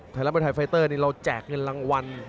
ไทยรักมวยไทยไฟตเตอร์นี้เราแจ้งเงวยังรางวัล